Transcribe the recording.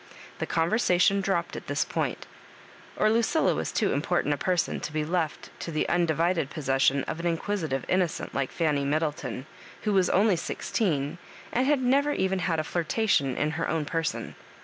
The conversation dropped at this point ; or Lucilla was too important a per son to be left to the undivided possession of an inquisitive innocent like Fanny Middleton, who was only sixteen, and had never had even a flir tation in her own person.